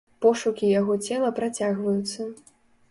Пошукі яго цела працягваюцца.